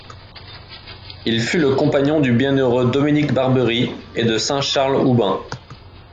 Il fut le compagnon du bienheureux Dominique Barberi et de saint Charles Houben.